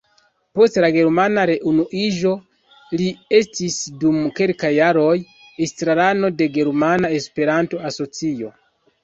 Post la germana reunuiĝo li estis dum kelkaj jaroj estrarano de Germana Esperanto-Asocio.